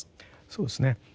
そうですね。